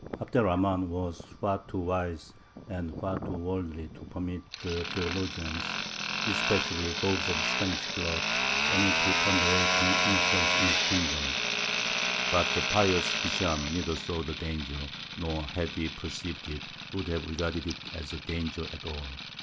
Abd er Rahmān was far too wise, and also far too worldly, to permit the theologians especially those of Spanish blood any preponderating influence in his kingdom; but the pious Hishām neither saw the danger, nor, had he perceived it, would have regarded it as a danger at all.